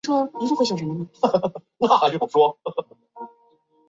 本书讲述了明朝弘治时期发生的庞国俊与刘玉蓉等之间一妻四妾的婚姻故事。